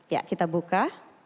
ya kita buka